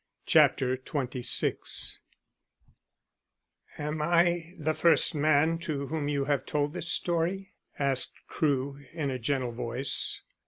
CHAPTER XXVI "AM I the first man to whom you have told this story?" asked Crewe, in a gentle voice.